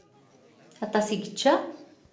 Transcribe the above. Aṭas i yečča?